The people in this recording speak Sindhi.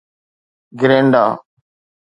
گرينڊا